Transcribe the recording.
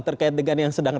terkait dengan yang sedang